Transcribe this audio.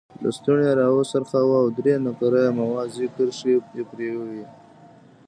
لستوڼی یې را وڅرخاوه او درې نقره یي موازي کرښې یې پرې وې.